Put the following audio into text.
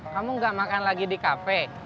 kamu gak makan lagi di kafe